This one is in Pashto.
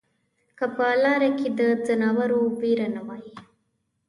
که په لاره کې د ځناورو وېره نه وای